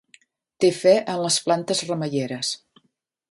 Té fe en les plantes remeieres.